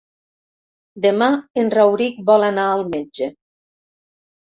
Demà en Rauric vol anar al metge.